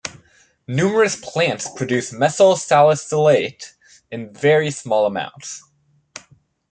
Numerous plants produce methyl salicylate in very small amounts.